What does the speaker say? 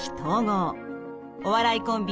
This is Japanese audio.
お笑いコンビ